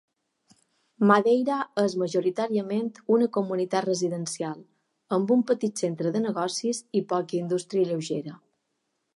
Madeira és majoritàriament una comunitat residencial, amb un petit centre de negocis i poca indústria lleugera.